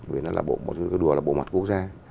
vì nó là một đùa là bộ mặt quốc gia